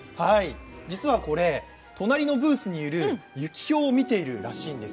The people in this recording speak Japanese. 実はこれ隣のブースにいるユキヒョウを見ているそうなんです。